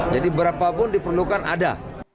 jadi berapapun diperlukan ada